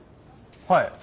はい。